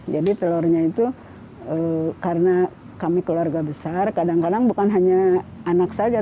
jadi telurnya itu karena kami keluarga besar kadang kadang bukan hanya anak saja